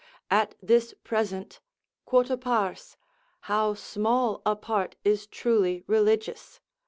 At this present, quota pars! How small a part is truly religious!